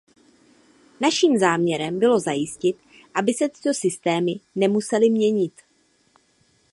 Naším záměrem bylo zajistit, aby se tyto systémy nemusely měnit.